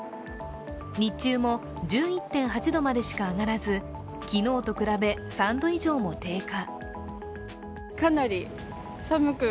日中も１１．８度までしか上がらず、昨日と比べ、３度以上も低下。